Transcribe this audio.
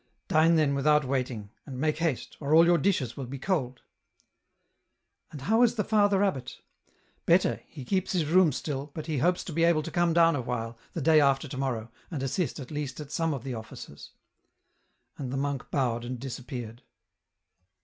" Dine then without waiting, and make haste, or all your dishes will be cold," " And how is the father abbot ?"" Better, he keeps his room still, but he hopes to be able to come down a while, the day after to morrow, and assist at least at some of the offices." And the monk bowed and disappeared.